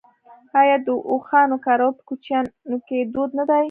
آیا د اوښانو کارول په کوچیانو کې دود نه دی؟